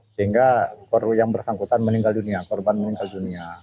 sehingga yang bersangkutan meninggal dunia korban meninggal dunia